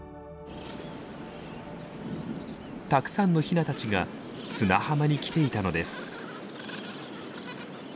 たくさんのヒナたちが砂浜に来ていたのです。